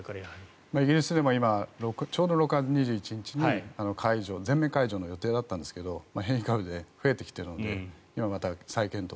イギリスでもちょうど６月２１日に全面解除の予定だったんですが変異株で増えてきているので今、再検討。